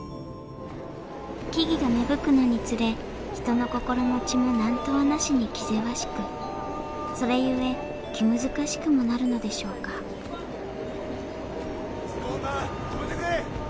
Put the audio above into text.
木々が芽吹くのにつれ人の心持ちも何とはなしに気ぜわしくそれ故気難しくもなるのでしょうか・その女止めてくれ！